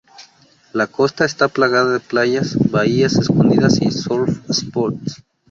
La costa está plagada de playas, bahías escondidas y surf spots.